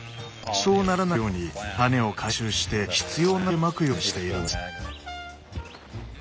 そうならないように種を回収して必要なだけまくようにしているんです。